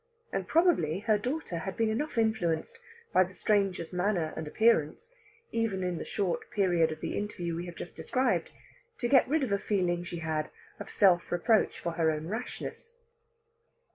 And probably her daughter had been enough influenced by the stranger's manner and appearance, even in the short period of the interview we have just described, to get rid of a feeling she had of self reproach for her own rashness.